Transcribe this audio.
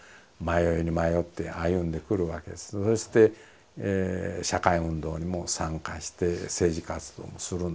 そして社会運動にも参加して政治活動もするんですね。